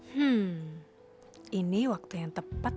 hmm ini waktu yang tepat